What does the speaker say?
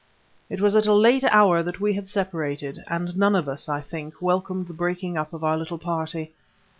It was at a late hour that we had separated, and none of us, I think, welcomed the breaking up of our little party.